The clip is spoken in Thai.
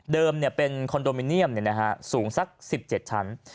เป็นคอนโดมิเนียมสูงสัก๑๗ชั้น